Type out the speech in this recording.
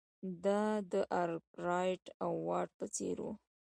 دا د ارکرایټ او واټ په څېر وو.